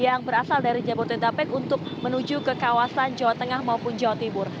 yang berasal dari jabodetabek untuk menuju ke kawasan jawa tengah maupun jawa timur